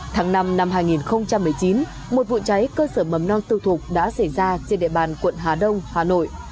tháng năm năm hai nghìn một mươi chín một vụ cháy cơ sở mầm non tư thục đã xảy ra trên địa bàn quận hà đông hà nội